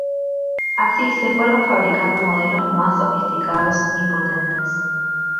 Así, se fueron fabricando modelos más sofisticados y potentes.